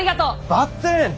ばってん！